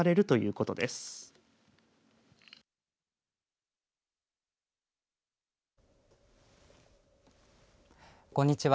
こんにちは。